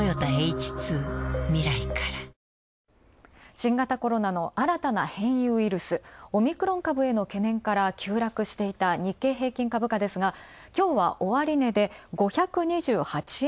新型コロナの新たな変異ウイルス、オミクロン株への懸念から急落していた日経平均株価ですが、きょうは終値で５２８円